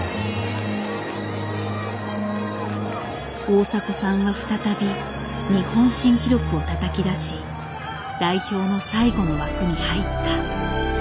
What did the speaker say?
大迫さんは再び日本新記録をたたき出し代表の最後の枠に入った。